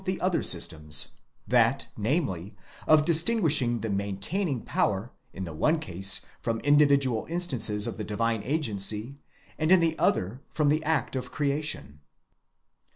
the other systems ; that, namely, of distinguishing the maintaining power, in the one case from individual instances of the divine agency, and in the other from the act of creation.